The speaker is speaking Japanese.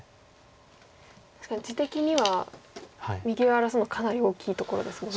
確かに地的には右上荒らすのかなり大きいところですもんね。